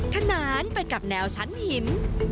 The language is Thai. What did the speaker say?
ขนานไปกับแนวชั้นหิน